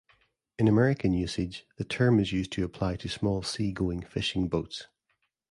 In American usage, the term is used to apply to small sea-going fishing boats.